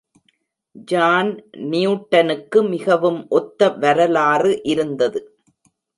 John நியூட்டனுக்கு மிகவும் ஒத்த வரலாறு இருந்தது.